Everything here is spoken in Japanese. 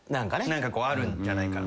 何かあるんじゃないか。